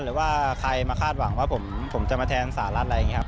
หรือว่าใครมาคาดหวังว่าผมจะมาแทนสหรัฐอะไรอย่างนี้ครับ